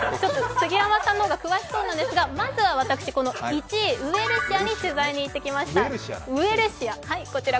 杉山さんの方が詳しそうなんですがまずは私、１位のウエルシアに取材に行ってきました。